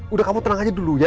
udah kamu tenang aja dulu ya